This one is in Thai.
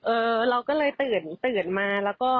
เออเราก็เลยตื่นมา